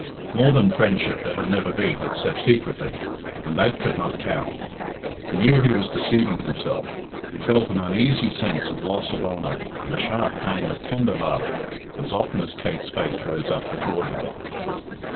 More than friendship there had never been, except secretly, and that could not count. He knew he was deceiving himself; he felt an uneasy sense of loss of honour and a sharp pang of tender love as often as Kate's face rose up before him.